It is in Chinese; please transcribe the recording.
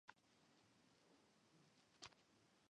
糠醛的物性已在右表中列出。